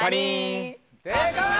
正解！